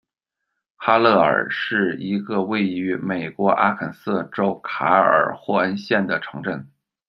哈勒尔是一个位于美国阿肯色州卡尔霍恩县的城镇。